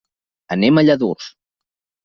Anem a Lladurs.